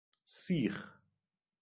سیخ